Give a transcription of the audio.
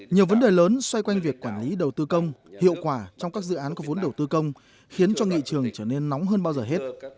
nhiều vấn đề lớn xoay quanh việc quản lý đầu tư công hiệu quả trong các dự án có vốn đầu tư công khiến cho nghị trường trở nên nóng hơn bao giờ hết